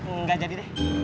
nggak jadi deh